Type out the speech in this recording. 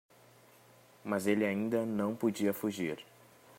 Mas ele ainda não podia fugir.